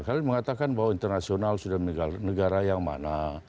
kalian mengatakan bahwa internasional sudah negara yang mana